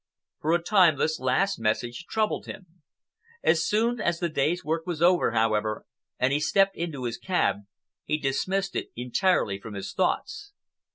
For a time this last message troubled him. As soon as the day's work was over, however, and he stepped into his cab, he dismissed it entirely from his thoughts.